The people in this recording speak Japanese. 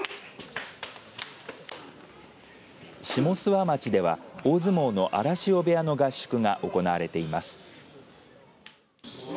下諏訪町では大相撲の荒汐部屋の合宿が行われています。